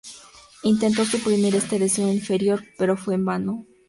Intentó suprimir este deseo interior, pero fue en vano.